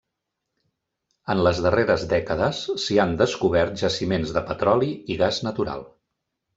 En les darreres dècades s'hi han descobert jaciments de petroli i gas natural.